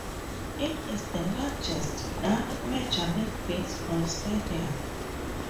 It is the largest non-Major League Baseball stadium.